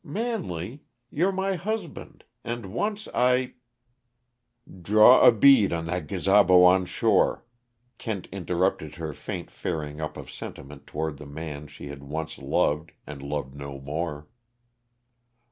Manley! you're my husband and once I " "Draw a bead on that gazabo on shore," Kent interrupted her faint faring up of sentiment toward the man she had once loved and loved no more.